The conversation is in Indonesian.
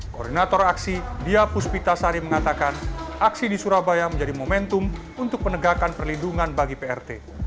koordinator aksi dia puspita sari mengatakan aksi di surabaya menjadi momentum untuk penegakan perlindungan bagi prt